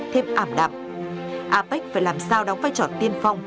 thêm ảm đạm apec phải làm sao đóng vai trò tiên phong